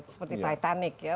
seperti titanic ya